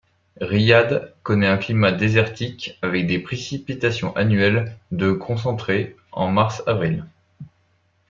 Riyad connaît un climat désertique avec des précipitations annuelles de concentrées en mars-avril.